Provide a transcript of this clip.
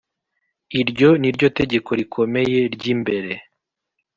Iryo ni ryo tegeko rikomeye ry imbere